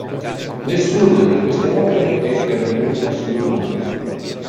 Nessuna di queste opere è pervenuta sino a noi.